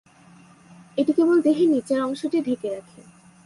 এটি কেবল দেহের নিচের অংশটি ঢেকে রাখে।